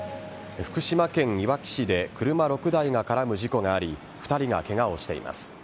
福島県いわき市で車６台が絡む事故があり２人がケガをしています。